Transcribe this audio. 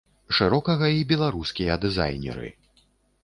Шырокага і беларускія дызайнеры.